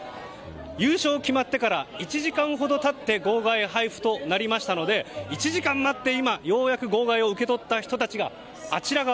優勝が決まってから１時間ほど経って号外配布となりましたので１時間待って今号外を受け取った人たちがあちら側。